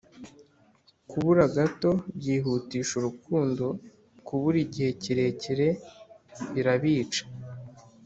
kubura gato byihutisha urukundo, kubura igihe kirekire birabica